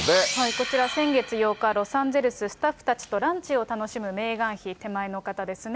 こちら、先月８日、ロサンゼルス、スタッフたちとランチを楽しむメーガン妃、手前の方ですね。